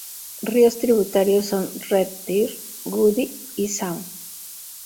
Ríos tributarios son Red Deer, Woody y Swan.